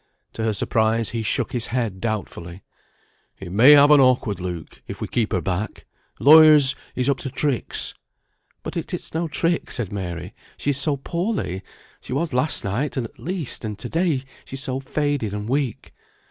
To her surprise he shook his head doubtfully. "It may have an awkward look, if we keep her back. Lawyers is up to tricks." "But it's no trick," said Mary. "She is so poorly, she was last night, at least; and to day she's so faded and weak."